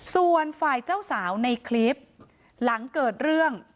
ส่วนฝ่ายเจ้าสาวในคลิปหลังเกิดเรื่อง